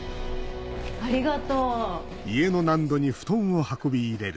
ありがとう。